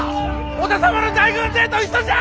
織田様の大軍勢と一緒じゃ！